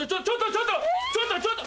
ちょっとちょっと！